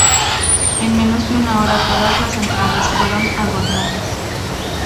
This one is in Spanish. En menos de una hora todas las entradas fueron agotadas.